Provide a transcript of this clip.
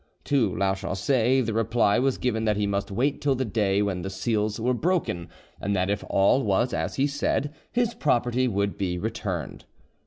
To Lachaussee the reply was given that he must wait till the day when the seals were broken, and then if all was as he said, his property would be returned.